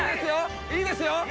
いいですよ。